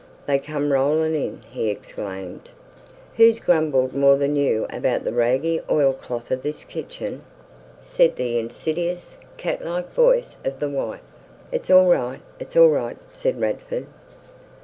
"They come rolling in!" he exclaimed. "Who's grumbled more than you about the raggy oilcloth of this kitchen?" said the insidious, cat like voice of the wife. "It's all right, it's all right," said Radford.